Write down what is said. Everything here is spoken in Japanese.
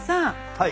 はい。